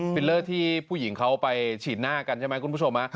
ฟิลเลอร์ที่ผู้หญิงเขาไปฉีดหน้ากันใช่ไหมคุณผู้ชม